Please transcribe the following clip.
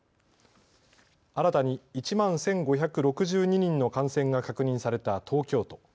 新たに１万１５６２人の感染が確認された東京都。